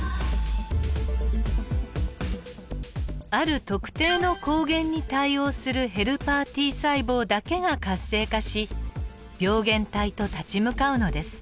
ある特定の抗原に対応するヘルパーＴ細胞だけが活性化し病原体と立ち向かうのです。